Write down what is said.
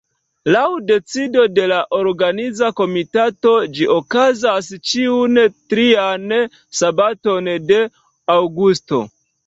Laŭ decido de la Organiza Komitato ĝi okazas ĉiun trian sabaton de aŭgusto.